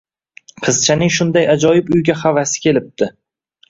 Qizchaning shunday ajoyib uyga havasi kelibdi